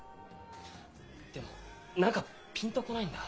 でも何かピンと来ないんだ。